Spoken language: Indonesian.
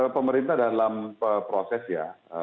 pemerintah dalam proses ya